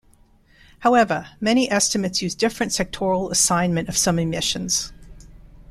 However, many estimates use different sectoral assignment of some emissions.